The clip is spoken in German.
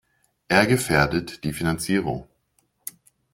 Er gefährdet die Finanzierung.